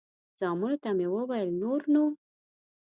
زامنو ته مې وویل نور نو.